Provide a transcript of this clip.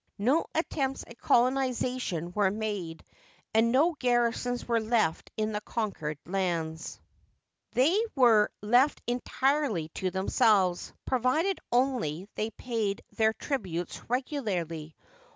No attempts at colonization were made, and no garrisons were left in the conquered lands. They were left entirely to themselves, provided only they paid their tributes regularly.